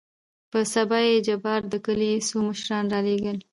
په سبا يې جبار دکلي څو مشران رالېږل.